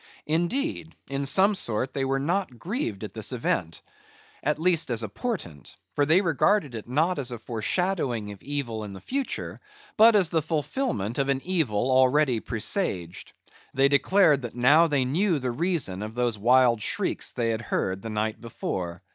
Indeed, in some sort, they were not grieved at this event, at least as a portent; for they regarded it, not as a foreshadowing of evil in the future, but as the fulfilment of an evil already presaged. They declared that now they knew the reason of those wild shrieks they had heard the night before.